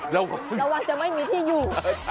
ระวังจะไม่มีที่อยู่